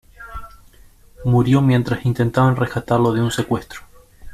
Murió mientras intentaban rescatarlo de un secuestro.